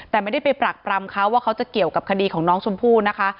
แต่ไม่ได้ไปปรักปรำเขาว่าเขาจะเกี่ยวกับคดีของน้องชมพู่นะคะ